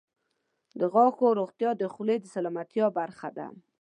• د غاښونو روغتیا د خولې د سلامتیا برخه ده.